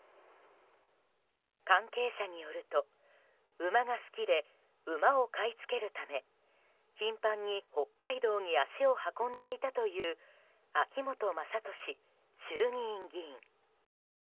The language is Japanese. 関係者によると馬が好きで馬を買い付けるため頻繁に北海道に足を運んでいたという秋本真利衆議院議員。